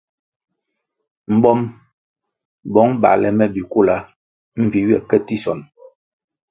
Mbom, bong bale me bikula mbpi ywe ke tisonʼ.